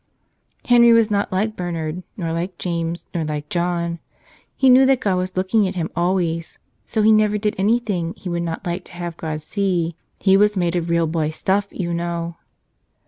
Henry was not like Bernard, nor like James, nor like John. He knew that God was looking at him al¬ ways; so he never did anything he would not like to have God see. He was made of real boy stuff, you know.